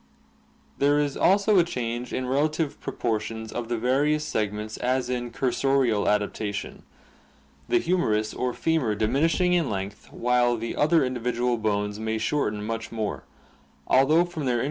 There is also a change in relative pro I portions of the various segments as in cursorial adaptation, the humerus or femur diminishing in length while the other individual bones may shorten much more, al though from their in Fig.